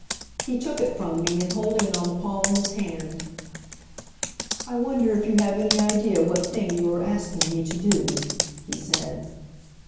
He took it from me, and holding it on the palm of his hand, "I wonder if you have any idea what thing you are asking me to do?" he said.